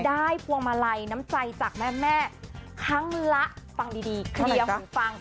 พวงมาลัยน้ำใจจากแม่ครั้งละฟังดีเคลียร์หูฟัง